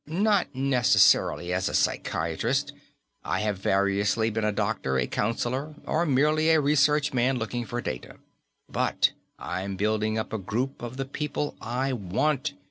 Not necessarily as a psychiatrist; I have variously been a doctor, a counsellor, or merely a research man looking for data. But I'm building up a group of the people I want.